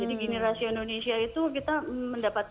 jadi generasi indonesia itu kita mendapatkan